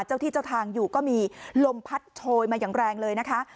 เจ้าที่เจ้าทางอยู่ก็มีลมพัดโชยมาอย่างแรงเลยนะคะ